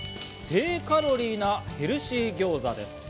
低カロリーなヘルシーギョーザです。